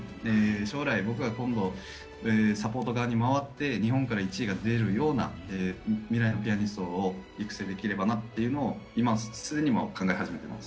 将来、僕が今度サポート側に回って日本から１位が出るような未来のピアニストを育成できればなというのを今、既に考えています。